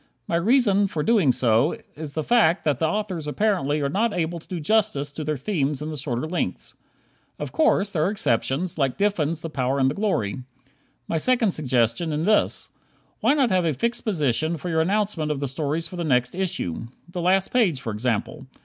My reason for so doing is the fact that the authors apparently are not able to do justice to their themes in the shorter lengths. Of course, there are exceptions, like Diffin's "The Power and the Glory." My second suggestion in this: Why not have a fixed position for your announcement of the stories for the next issue? The last page, for example.